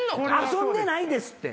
遊んでないですって！